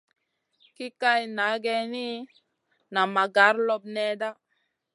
Ki kaï na geyni, nan ma gar loɓ nèhda.